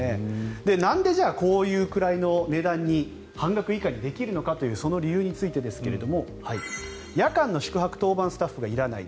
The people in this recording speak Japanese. なんでじゃあこういうくらいの値段に半額以下にできるのかという理由についてですが夜間の宿泊当番スタッフがいらない。